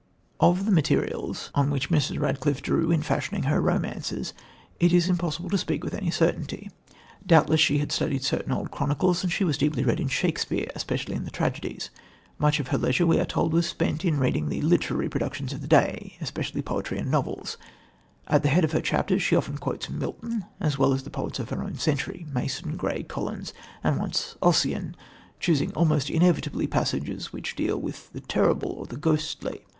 Of the materials on which Mrs. Radcliffe drew in fashioning her romances it is impossible to speak with any certainty. Doubtless she had studied certain old chronicles, and she was deeply read in Shakespeare, especially in the tragedies. Much of her leisure, we are told, was spent in reading the literary productions of the day, especially poetry and novels. At the head of her chapters she often quotes Milton as well as the poets of her own century Mason, Gray, Collins, and once "Ossian" choosing almost inevitably passages which deal with the terrible or the ghostly.